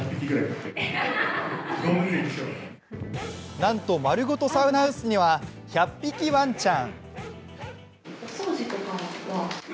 なんと、丸ごとサウナハウスには１００匹ワンちゃん。